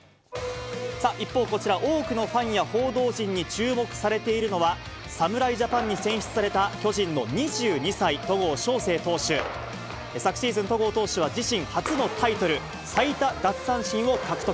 一方、こちら、多くのファンや報道陣に注目されているのは、侍ジャパンに選出された巨人の２２歳、戸郷翔征投手。昨シーズン、戸郷投手は、自身初のタイトル、最多奪三振を獲得。